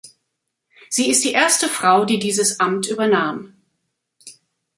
Sie ist die erste Frau die dieses Amt übernahm.